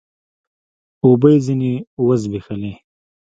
اوبه يې ځيني و زبېښلې